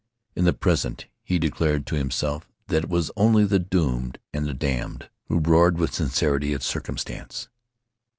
In the present, he declared to himself that it was only the doomed and the damned who roared with sincerity at circumstance.